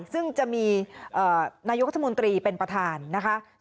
ซึ่งจะมีนายกรัฐมนตรีเป็นประธานนะคะ